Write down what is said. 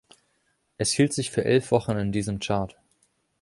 Es hielt sich für elf Wochen in diesem Chart.